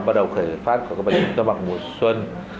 bắt đầu khởi phát bệnh chúng ta bằng mùa xuân